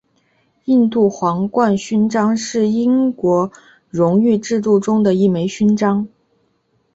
印度皇冠勋章是英国荣誉制度中的一枚勋章。